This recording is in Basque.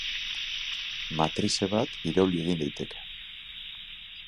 Matrize bat irauli egin daiteke.